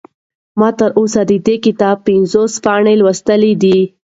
ما تر اوسه د دې کتاب پنځوس پاڼې لوستلي دي.